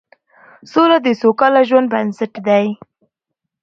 سوله د سوکاله ژوند بنسټ دی